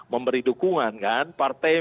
memberi dukungan partai